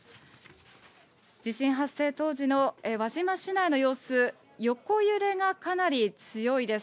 地震発生当時の輪島市内の様子、横揺れがかなり強いです。